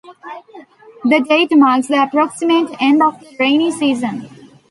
The date marks the approximate end of the "rainy season".